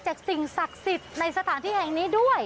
สิ่งศักดิ์สิทธิ์ในสถานที่แห่งนี้ด้วย